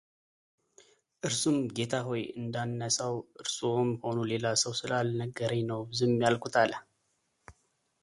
እርሱም ጌታዬ ሆይ እንዳነሳው እርስዎም ሆኑ ሌላ ሰው ስላልነገረኝ ነው ዝም ያልኩት አለ፡፡